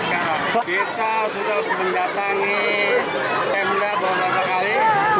kita sudah mendatangi saya muda beberapa kali